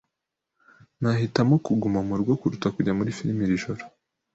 Nahitamo kuguma murugo kuruta kujya muri firime iri joro.